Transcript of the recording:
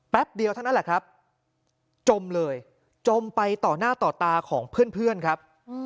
เดียวเท่านั้นแหละครับจมเลยจมไปต่อหน้าต่อตาของเพื่อนครับ